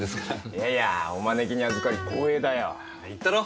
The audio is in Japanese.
いやいやお招きにあずかり光栄だよ。言ったろ？